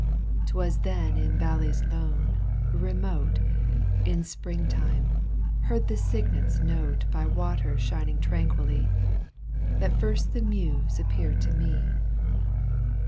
^, 'Twas then in valleys lone, remote, In spring time, heard the cygnet's note 4 By waters shining tranquilly, That first the Muse appeared to me.